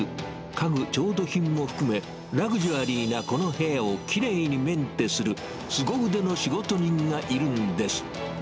家具、調度品も含め、ラグジュアリーなこの部屋をきれいにメンテする、すご腕の仕事人がいるんです。